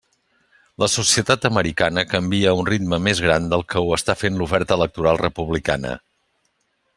La societat americana canvia a un ritme més gran del que ho està fent l'oferta electoral republicana.